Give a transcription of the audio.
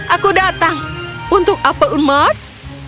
aku datang untuk apel emas